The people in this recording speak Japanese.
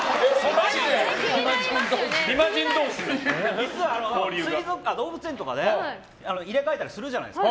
実は水族館とか動物園で水を入れ替えたりするじゃないですか。